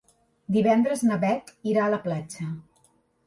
Divendres na Beth irà a la platja.